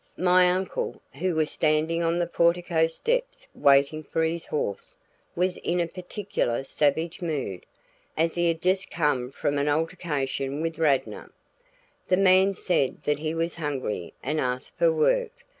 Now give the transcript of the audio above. My uncle, who was standing on the portico steps waiting for his horse, was in a particularly savage mood, as he had just come from an altercation with Radnor. The man said that he was hungry and asked for work.